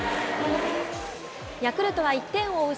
ヤクルトは１点を追う